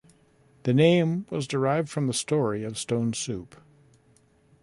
The name was derived from the story of stone soup.